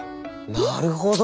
なるほど。